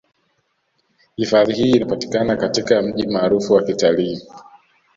Hifadhi hii inapatikana katika mji maarufu wa Kitalii